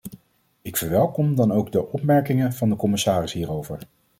Ik verwelkom dan ook de opmerkingen van de commissaris hierover.